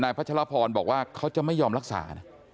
นายพระชะละพรบอกว่าเขาจะไม่ยอมรักษานะ